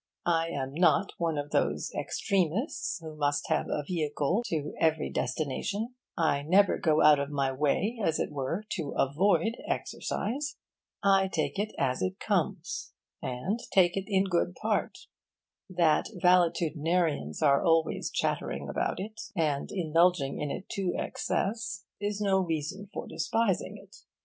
I am not one of those extremists who must have a vehicle to every destination. I never go out of my way, as it were, to avoid exercise. I take it as it comes, and take it in good part. That valetudinarians are always chattering about it, and indulging in it to excess, is no reason for despising it.